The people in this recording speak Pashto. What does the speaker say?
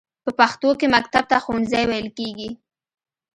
په پښتو کې مکتب ته ښوونځی ویل کیږی.